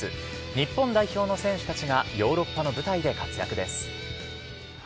日本代表の選手たちがヨーロッパの舞台で活躍です。